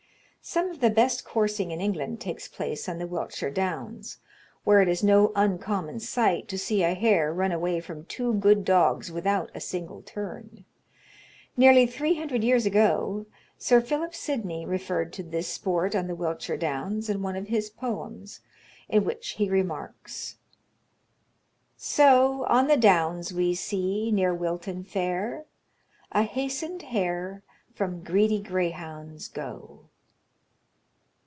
Some of the best coursing in England takes place on the Wiltshire Downs, where it is no uncommon sight to see a hare run away from two good dogs without a single turn. Nearly three hundred years ago, Sir Philip Sidney referred to this sport on the Wiltshire Downs in one of his poems, in which he remarks: "So, on the downs we see, near Wilton fair, A hasten'd hare from greedy greyhounds go."